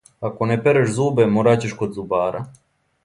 Ако не переш зубе, мораћеш код зубара.